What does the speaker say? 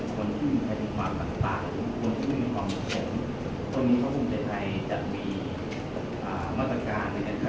ก็ทางตำการของทางครับก็ได้ดูมาติว่าแม่งท่านมินติครับ